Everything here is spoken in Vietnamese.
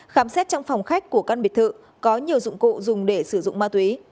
khám xét trong phòng khách của căn biệt thự có nhiều dụng cụ dùng để sử dụng ma túy